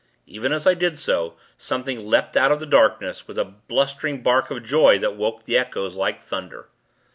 Even as I did so, something leapt out of the darkness, with a blustering bark of joy that woke the echoes, like thunder.